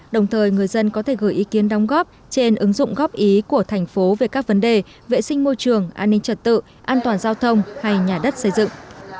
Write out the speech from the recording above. đồng thời người dân có thể gửi ý kiến đóng góp trên ứng dụng góp ý của thành phố về các vấn đề vệ sinh môi trường an ninh trật tự an toàn giao thông hay nhà đất xây dựng